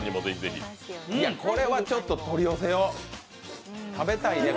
これはちょっと取り寄せよう。